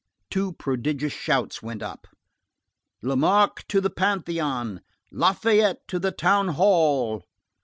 Two prodigious shouts went up: "Lamarque to the Pantheon!—Lafayette to the Town hall!"